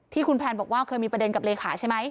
ที่คุณแพนบอกว่าเคยมีประเด็นกับเลขาใช่ไหม